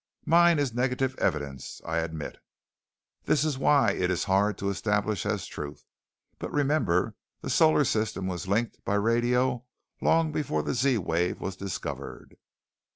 "Mine is negative evidence, I admit. This is why it is hard to establish as truth. But remember, the solar system was linked by radio long before the Z wave was discovered."